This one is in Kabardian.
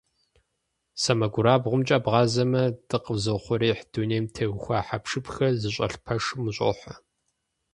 СэмэгурабгъумкӀэ бгъазэмэ, дыкъэзыухъуреихь дунейм теухуа хьэпшыпхэр зыщӏэлъ пэшым ущӀохьэ.